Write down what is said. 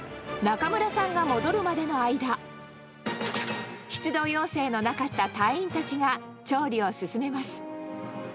中村さんが戻るまでの間、出動要請のなかった隊員たちが、調理を進めます。